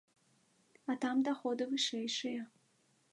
А там даходы вышэйшыя.